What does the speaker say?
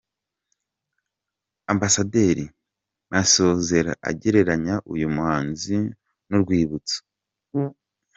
Ambasaderi Masozera agereranya uyu muhanzi n’urwibutso.